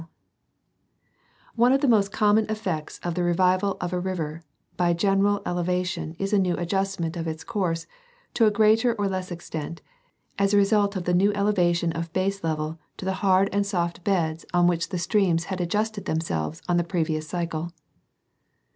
— One of the most common effects of the revival of a river by general ele vation is a new adjustment of its course to a greater or less extent, as a result of the new relation of baselevel to the hard and soft beds on which the streams had adjusted themselves in the previous cycle.